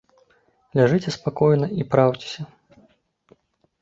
Ляжыце спакойна і праўцеся.